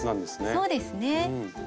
そうですね。